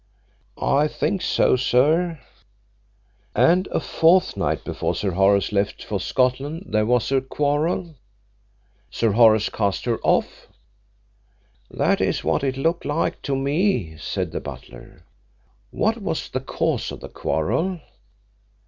"I think so, sir." "And a fortnight before Sir Horace left for Scotland there was a quarrel Sir Horace cast her off?" "That is what it looked like to me," said the butler. "What was the cause of the quarrel?"